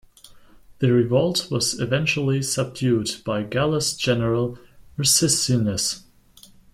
The revolt was eventually subdued by Gallus' general, Ursicinus.